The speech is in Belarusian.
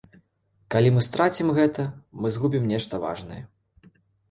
Калі мы страцім гэта, мы згубім нешта важнае.